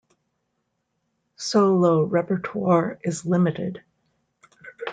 Solo repertoire is limited.